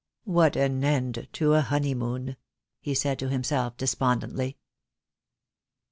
"What an end to a honeymoon," he said to himself despondently.